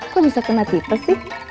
kok bisa kena tipe sih